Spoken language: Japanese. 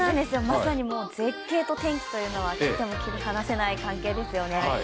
まさに絶景と天気というのは切っても切り離せないですよね。